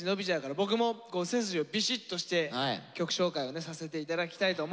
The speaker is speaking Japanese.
僕も背筋をびしっとして曲紹介をさせて頂きたいと思います。